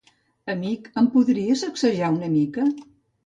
Amic, em podries sacsejar una mica?